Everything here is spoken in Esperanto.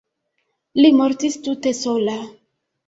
Li mortis tute sola.